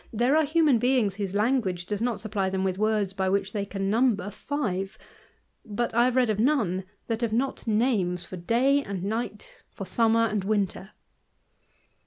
there are human beings whose language does not suppr^j^ them with words by which they can number five ; but I h^.^^ read of none that have not names for day and night, for summer and winter.